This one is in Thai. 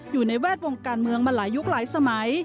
อยู่ในแวดวงการเมืองมาหลายยุคหลายสมัย